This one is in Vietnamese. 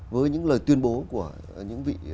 với những lời tuyên bố của những vị